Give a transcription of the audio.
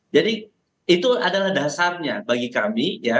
jadi itu adalah dasarnya bagi kami ya